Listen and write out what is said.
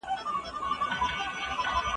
د مطالعې ګټه تر تشو شعارونو زیاته ده.